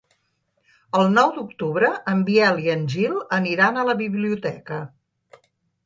El nou d'octubre en Biel i en Gil aniran a la biblioteca.